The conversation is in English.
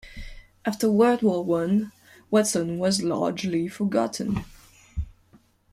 After World War One Watson was largely forgotten.